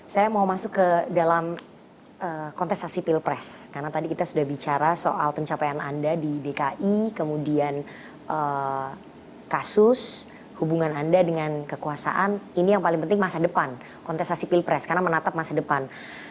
saya mau masuk ke dalam kontestasi pilpres karena tadi kita sudah bicara soal pencapaian anda di dki kemudian kasus hubungan anda dengan kekuasaan ini yang paling penting masa depan kontestasi pilpres karena menatap masa depan